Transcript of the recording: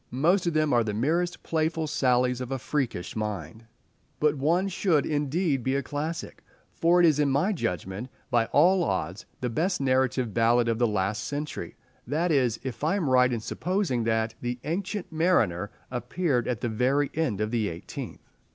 Most of them are the merest playful sallies of a freakish mind. But one should, indeed, be a classic, for it is in my judgment by all odds the best narrative ballad of the last century—that is if I am right in supposing that "The Ancient Mariner" appeared at the very end of the eighteenth.